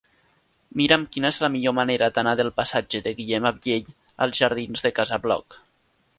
Mira'm quina és la millor manera d'anar del passatge de Guillem Abiell als jardins de Casa Bloc.